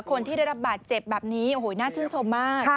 คนที่ได้รับบาดเจ็บแบบนี้โอ้โหน่าชื่นชมมาก